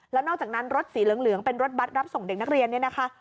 แล้วนอกจากนั้นรถสีเหลืองเป็นรถบัตรรับส่งเด็กนักเรียนเนี่ยนะคะ